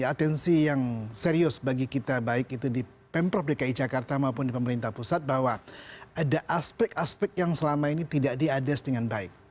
atensi yang serius bagi kita baik itu di pemprov dki jakarta maupun di pemerintah pusat bahwa ada aspek aspek yang selama ini tidak diades dengan baik